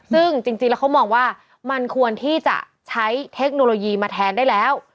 ซึ่งจริงแล้วเขามองว่ามันควรที่จะใช้เทคโนโลยีมาแทนได้แล้ว